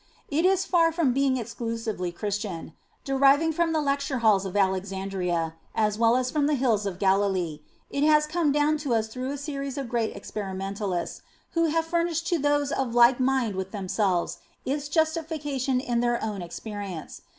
It is far from being exclusively Christian. Deriving from the lecture halls of Alexandria, as well as from the hills of Galilee, it has come down to us through a series of great experimentalists, who have furnished to those of like mind with themselves its justification in their own experience.